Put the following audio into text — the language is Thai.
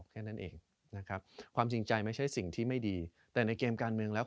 แค่นั้นเองนะครับความจริงใจไม่ใช่สิ่งที่ไม่ดีแต่ในเกมการเมืองแล้ว